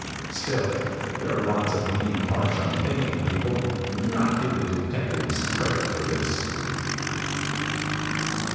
Still, there are lots of mean, harsh, unthinking people who do not give the detectives credit for this.